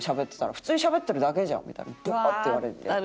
普通にしゃべってるだけじゃん」みたいなのバーッて言われて。